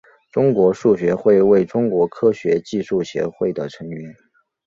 中国数学会为中国科学技术协会的成员。